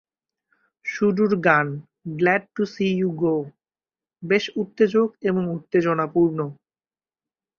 শুরুর গান, "glad to see you go", বেশ উত্তেজক এবং উত্তেজনাপূর্ণ।